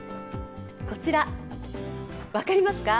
こちら、分かりますか？